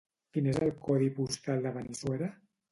Quin és el codi postal de Benissuera?